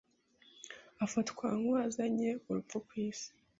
ufatwa nk’uwazanye urupfu ku isi..